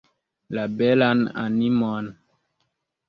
La belan animon.